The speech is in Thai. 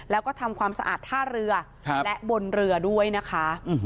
แล้วก็ทำความสะอาดท่าเรือและบนเรือด้วยนะคะ